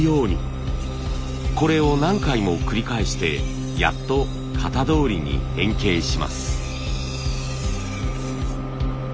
これを何回も繰り返してやっと型どおりに変形します。